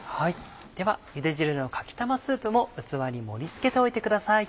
ではゆで汁のかき玉スープも器に盛り付けておいてください。